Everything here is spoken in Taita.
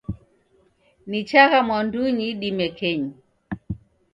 Nichagha mwandunyi idime kenyi